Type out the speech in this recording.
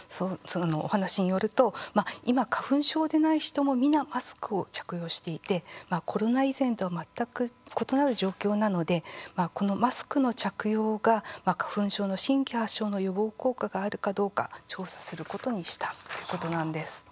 そのお話によると今、花粉症でない人も皆、マスクを着用していてコロナ以前とは全く異なる状況なのでこのマスクの着用が花粉症の新規発症の予防効果があるかどうか調査することにしたということなんです。